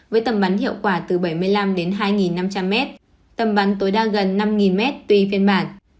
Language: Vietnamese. với tầm bắn hiệu quả từ bảy mươi năm hai nghìn năm trăm linh m tầm bắn tối đa gần năm nghìn m tùy phiên bản